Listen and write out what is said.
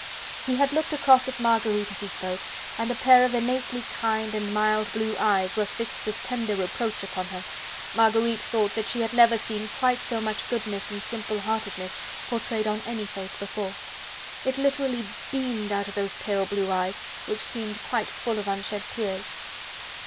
He had looked across at Marguerite as he spoke, and a pair of innately kind and mild blue eyes were fixed with tender reproach upon her. Marguerite thought that she had never seen quite so much goodness and simple heartedness portrayed on any face before. It literally beamed out of those pale blue eyes, which seemed quite full of unshed tears.